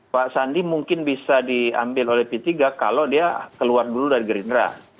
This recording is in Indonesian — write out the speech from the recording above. pak sandi mungkin bisa diambil oleh p tiga kalau dia keluar dulu dari gerindra